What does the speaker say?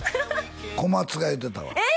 小松が言うてたわえー